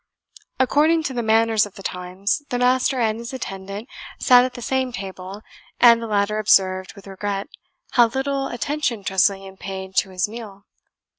According to the manners of the times, the master and his attendant sat at the same table, and the latter observed, with regret, how little attention Tressilian paid to his meal.